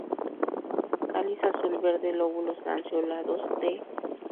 Cáliz azul-verde; lóbulos lanceolados, de.